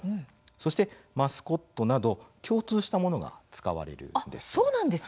そして、マスコットなど共通したものが使われています。